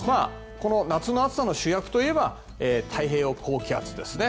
夏の暑さの主役といえば太平洋高気圧ですね。